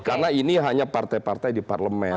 karena ini hanya partai partai di parlemen